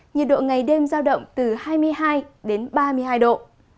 nhiệt độ ngày đêm dao động từ hai mươi hai đến ba mươi hai độ